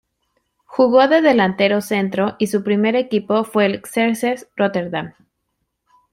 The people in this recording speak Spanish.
Jugó de delantero centro y su primer equipo fue el Xerxes Rotterdam.